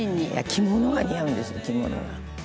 着物が」